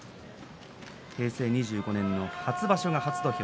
平成２５年の初場所が初土俵。